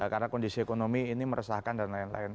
karena kondisi ekonomi ini meresahkan dan lain lain